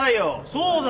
そうだよ。